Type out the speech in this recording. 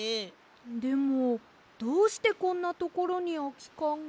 でもどうしてこんなところにあきかんが？